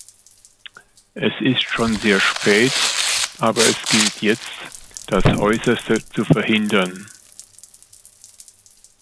Es ist schon sehr spät, aber es gilt jetzt, das Äußerste zu verhindern.